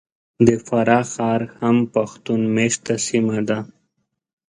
د فراه ښار هم پښتون مېشته سیمه ده .